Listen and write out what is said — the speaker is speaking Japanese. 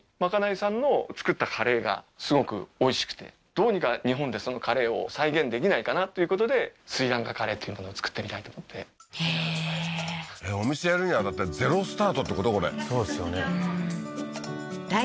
どうにか日本でそのカレーを再現できないかなということでスリランカカレーっていうものを作ってみたいと思ってへえーお店やるにはだってゼロスタートってこと？